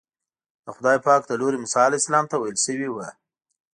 د خدای پاک له لوري موسی علیه السلام ته ویل شوي وو.